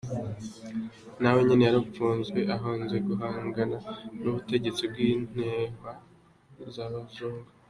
Nawe nyene yarapfunzwe ahowe guhangana n'ubutegetsi bw'inkehwa z'abazungu.